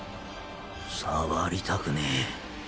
触りたくねえ。